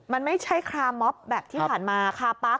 มันไม่ใช่คาร์มอบแบบที่ผ่านมาคาปั๊ก